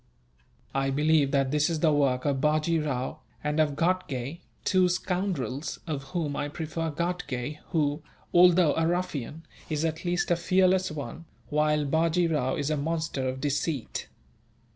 "I believe that this is the work of Bajee Rao, and of Ghatgay two scoundrels, of whom I prefer Ghatgay who, although a ruffian, is at least a fearless one, while Bajee Rao is a monster of deceit.